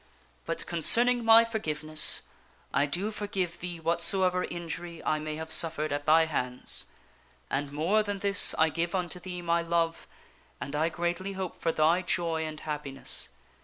But concerning my forgiveness: I do forgive thee whatsoever injury I may have suffered at thy hands. And more than this I give unto thee my love, and I greatly hope for thy joy and happiness.